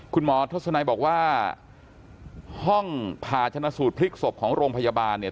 คุณหมอทศนัยบอกว่าห้องผ่าชนะสูตรพลิกศพของโรงพยาบาลเนี่ย